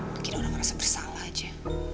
mungkin orang merasa bersalah aja